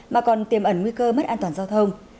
mà còn tiềm ẩn nguy cơ mất an toàn giao thông